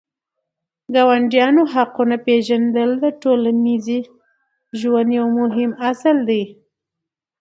د ګاونډیانو حقونه پېژندل د ټولنیز ژوند یو مهم اصل دی.